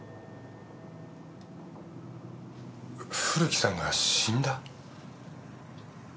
古木さんが死んだ？